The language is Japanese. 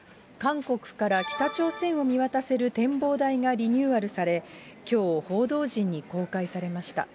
韓国から北朝鮮を見渡せる展望台がリニューアルされ、きょう、報道陣に公開されました。